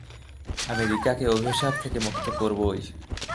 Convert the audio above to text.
আমি রিকাকে অভিশাপ থেকে মুক্ত করবোই!